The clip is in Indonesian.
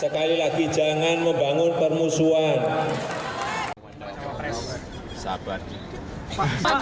tadi siang jam dua pak